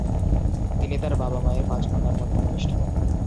তিনি তাঁর বাবা মায়ের পাঁচ কন্যার মধ্যে কনিষ্ঠ।